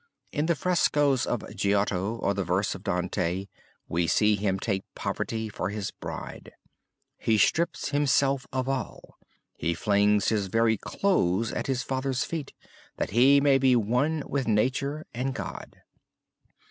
In the frescoes of Giotto or the verse of Dante we see him take Poverty for his bride. He strips himself of all: he flings his very clothes at his father's feet, that he may be one with Nature and God.